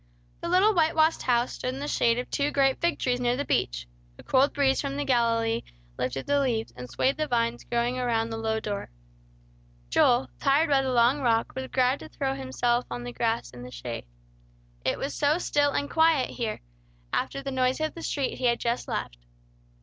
The little whitewashed house stood in the shade of two great fig trees near the beach. A cool breeze from the Galilee lifted the leaves, and swayed the vines growing around the low door. Joel, tired by the long walk, was glad to throw himself on the grass in the shade. It was so still and quiet here, after the noise of the street he had just left.